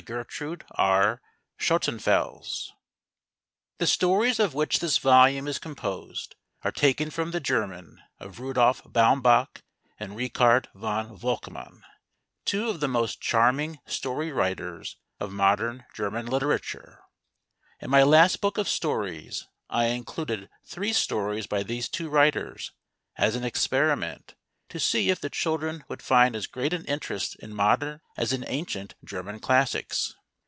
S ^:> 4 V* INTRODUCTION The stories of which this volume is composed are taken from the German of Rudolph Baumbach and Richard von Volkman, two of the most charming story writers of modern German literature In my last book of stories, I included three stories by these two writers, as an experiment, to see if the children would find as great an interest in modem as in ancient German Classics.